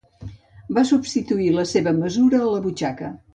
Va substituir la seva mesura a la butxaca.